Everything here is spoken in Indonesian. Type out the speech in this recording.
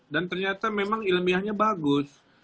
dan ternyata memang ilmiahnya bagus